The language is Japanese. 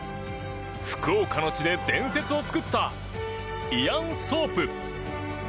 福岡の地で伝説を作ったイアン・ソープ。